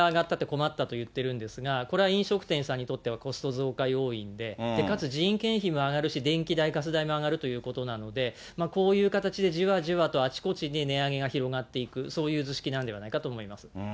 困ったって言ってるんですが、これは飲食店さんにとっては、コスト増加要因で、かつ人件費も上がるし、電気代、ガス代も上がるということなので、こういう形でじわじわとあちこちで値上げが広がっていく、そういう図式なのではないかと思います。